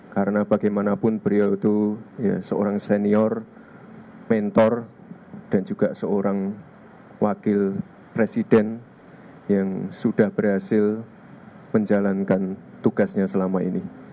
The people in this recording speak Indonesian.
karena bagaimanapun beliau itu seorang senior mentor dan juga seorang wakil presiden yang sudah berhasil menjalankan tugasnya selama ini